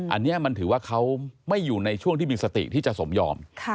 อันนี้มันถือว่าเขาไม่อยู่ในช่วงที่มีสติที่จะสมยอม